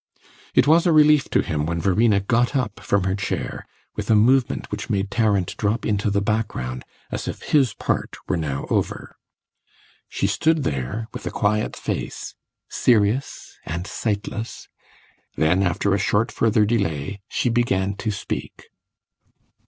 It was a relief to him when Verena got up from her chair, with a movement which made Tarrant drop into the background as if his part were now over. She stood there with a quiet face, serious and sightless; then, after a short further delay, she began to speak.